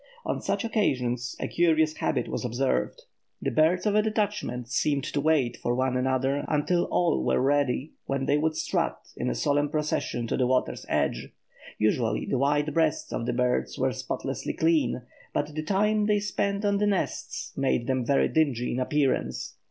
On such occasions a curious habit was observed. The birds of a detachment seemed to wait for one another until all were ready, when they would strut, in a solemn procession, to the water's edge. Usually the white breasts of the birds were spotlessly clean, but the time they spent on the nests made them very dingy in appearance.